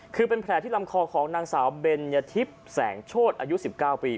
คือเป็นแผลที่ลำคอของนางสาวเบนยทิพย์แสงโชธอายุ๑๙ปี